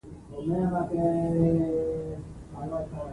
ځینې تر بلې ورځې پورې ښه یاد لري.